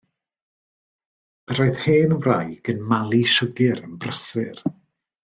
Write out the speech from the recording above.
Yr oedd hen wraig yn malu siwgr yn brysur.